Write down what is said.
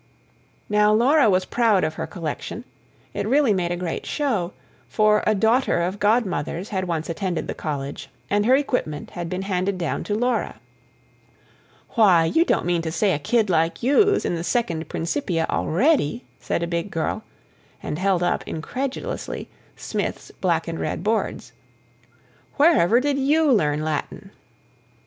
Now Laura was proud of her collection: it really made a great show; for a daughter of Godmother's had once attended the College, and her equipment had been handed down to Laura. "Why, you don't mean to say a kid like you's in the Second Principia already?" said a big girl, and held up, incredulously, Smith's black and red boards. "Wherever did YOU learn Latin?"